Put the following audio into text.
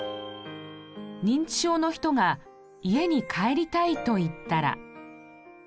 認知症の人が「家に帰りたい」と言ったら。